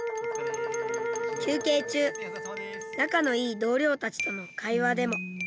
休憩中仲のいい同僚たちとの会話でも。